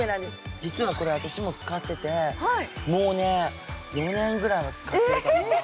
実はこれ、私も使ってて、もうね４年ぐらいは使ってるかな。